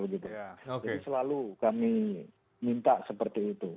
jadi selalu kami minta seperti itu